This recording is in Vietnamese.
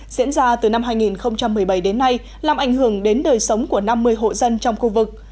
diễn ra từ năm hai nghìn một mươi bảy đến nay làm ảnh hưởng đến đời sống của năm mươi hộ dân trong khu vực